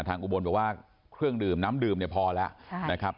อุบลบอกว่าเครื่องดื่มน้ำดื่มเนี่ยพอแล้วนะครับ